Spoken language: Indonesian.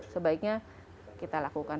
sebaiknya kita lakukan